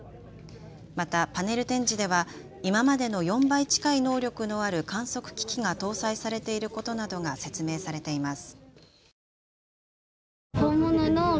またパネル展示では今までの４倍近い能力のある観測機器が搭載されていることなどが説明されています。